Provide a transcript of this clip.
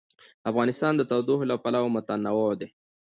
افغانستان د تودوخه له پلوه متنوع دی.